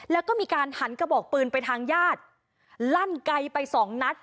แล้วก็มีการหันกระบอกปืนไปทางญาติลั่นไกลไปสองนัด